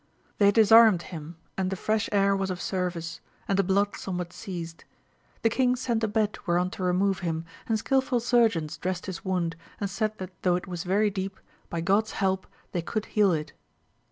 They disarmed him, and the fresh air was of service, and the blood someUat ceased. The king sent a bed whereon to remove him, and skilful surgeons dressed his wound, and said that though it was very deep, by God's help they could heal it.